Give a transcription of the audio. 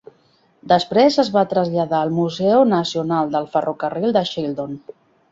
Després es va traslladar al Museu Nacional del Ferrocarril de Shildon.